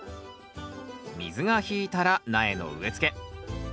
水が引いたら苗の植えつけ